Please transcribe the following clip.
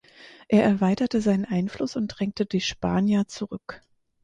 Er erweiterte seinen Einfluss und drängte die Spanier zurück.